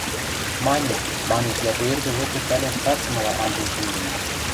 – Мане, – манеш дӓ пӱэргӹ вӹкӹ пӓлӓш цацымыла анжен шӹнден.